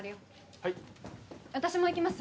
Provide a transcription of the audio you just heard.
はい私も行きます